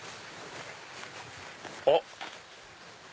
あっ。